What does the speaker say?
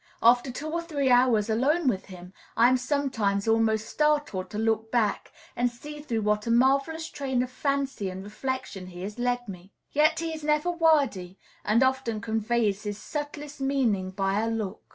After two or three hours alone with him, I am sometimes almost startled to look back and see through what a marvellous train of fancy and reflection he has led me. Yet he is never wordy, and often conveys his subtlest meaning by a look.